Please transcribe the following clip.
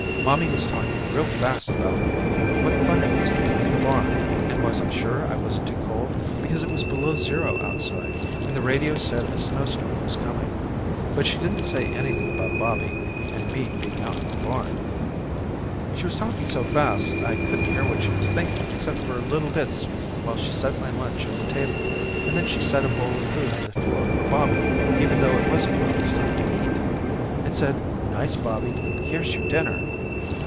Mommy was talking real fast about what fun it was to play in the barn and was I sure I wasn't too cold because it was below zero outside and the radio said a snowstorm was coming, but she didn't say anything about Bobby and me being out in the barn. She was talking so fast I couldn't hear what she was thinking except for little bits while she set my lunch on the table and then she set a bowl of food on the floor for Bobby even though it wasn't Bobby's time to eat and said nice Bobby here's your dinner.